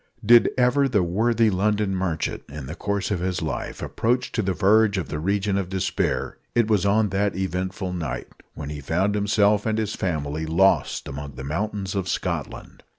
Did ever the worthy London merchant, in the course of his life, approach to the verge of the region of despair, it was on that eventful night when he found himself and his family lost among the mountains of Scotland.